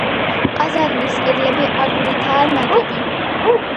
ყაზარმის კედლები აგურითაა ნაგები.